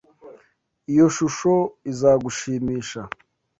Iyo shusho izagushimisha.